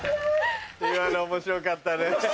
今の面白かったね。